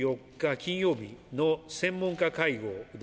金曜日の専門家会合で